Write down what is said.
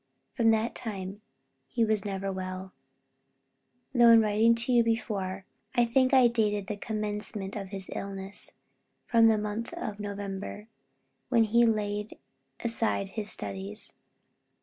From that time he was never well, though in writing to you before, I think I dated the commencement of his illness, from the month of November, when he laid aside his studies.